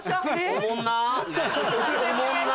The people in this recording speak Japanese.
おもんな。